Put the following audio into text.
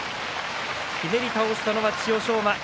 ひねり倒したのは千代翔馬。